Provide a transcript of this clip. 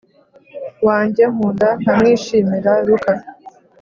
wanjye nkunda nkamwishimira Luka